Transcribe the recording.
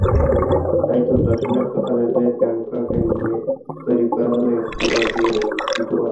তাই তো দর্শকদের কথা ভেবে প্রিয়াঙ্কাকে নিয়ে তৈরি করা হলো একটি অডিও-ভিজ্যুয়াল।